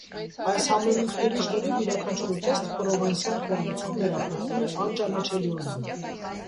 Այս համեմունքների շնորհիվ յուրաքանչյուր ուտեստ պրովանսյան խոհանոցում վերափոխվում է անճանաչելիորեն։